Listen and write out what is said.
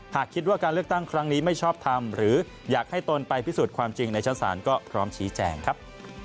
หากคิดว่าการเลือกตั้งครั้งนี้ไม่ชอบทำหรืออยากให้ตนไปพิสูจน์ความจริงในชั้นศาลก็พร้อมชี้แจงครับ